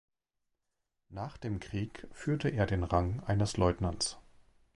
Nach dem Krieg führte er den Rang eines Leutnants.